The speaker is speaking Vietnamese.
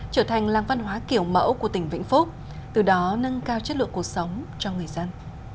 trở thành làng văn hóa kiểu mẫu của tỉnh vĩnh phúc từ đó nâng cao chất lượng cuộc sống cho người dân